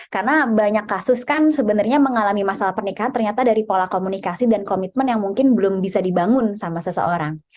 karena banyak kasus kan sebenarnya mengalami masalah pernikahan ternyata dari pola komunikasi dan komitmen yang mungkin belum bisa dibangun sama seseorang